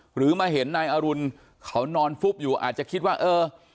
หรือมาเห็นนายอรุณเขานอนฟุบอยู่อาจจะคิดว่าเออ